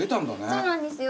そうなんですよ。